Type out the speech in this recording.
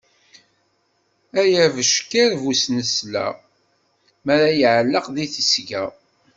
Ay abeckiḍ bu snesla, mi ara iɛelleq di tesga.